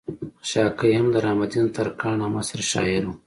خشاکے هم د رحم الدين ترکاڼ هم عصر شاعر وو